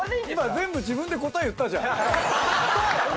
全部自分で答え言ったじゃん。